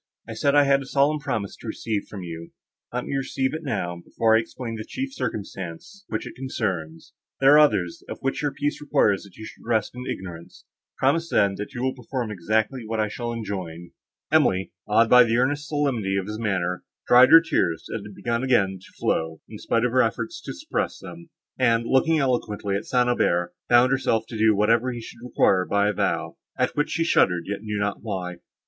I said I had a solemn promise to receive from you; let me receive it now, before I explain the chief circumstance which it concerns; there are others, of which your peace requires that you should rest in ignorance. Promise, then, that you will perform exactly what I shall enjoin." Emily, awed by the earnest solemnity of his manner, dried her tears, that had begun again to flow, in spite of her efforts to suppress them; and, looking eloquently at St. Aubert, bound herself to do whatever he should require by a vow, at which she shuddered, yet knew not why.